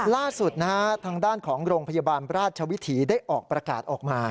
ล่าสุดนะฮะทางด้านของโรงพยาบาลราชวิถีได้ออกประกาศออกมา